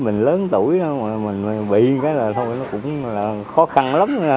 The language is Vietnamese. mình lớn tuổi mình bị cái là thôi nó cũng là khó khăn lắm